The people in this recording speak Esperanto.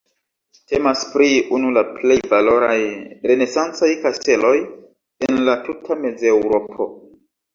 Temas pri unu la plej valoraj renesancaj kasteloj en la tuta Mezeŭropo.